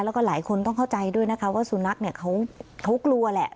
แล้วก็หลายคนต้องเข้าใจด้วยนะคะว่าสุนัขเนี่ยเขากลัวแหละ